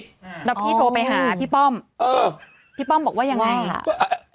แล้วพี่โทรไปหาพี่ป้อมเออพี่ป้อมบอกว่ายังไงคะ